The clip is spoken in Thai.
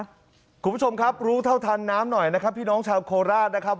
คุณผู้ชมครับรู้เท่าทันน้ำหน่อยนะครับพี่น้องชาวโคราชนะครับ